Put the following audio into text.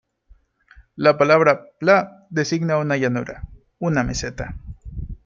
La palabra "pla" designa una llanura, una meseta.